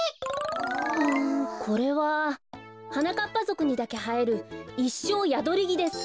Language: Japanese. うんこれははなかっぱぞくにだけはえるイッショーヤドリギです。